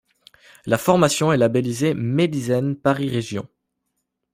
La formation est labellisée Medisen Paris Region.